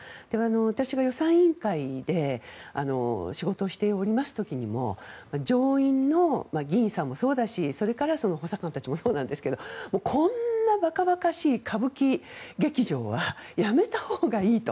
私が予算委員会で仕事をしております時にも上院の議員さんもそうだしそれから補佐官たちもそうなんですがこんな馬鹿馬鹿しい歌舞伎劇場はやめたほうがいいと。